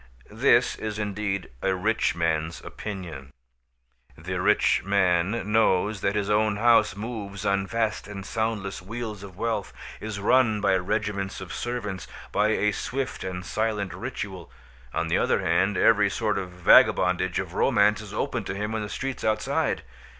This is indeed a rich man's opinion. The rich man knows that his own house moves on vast and soundless wheels of wealth, is run by regiments of servants, by a swift and silent ritual. On the other hand, every sort of vagabondage of romance is open to him in the streets outside.